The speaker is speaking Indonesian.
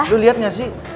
lu liat gak sih